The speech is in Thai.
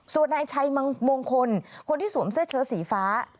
ส่วนนายชัยมงคลคนที่สวมเสื้อเชิดสีฟ้า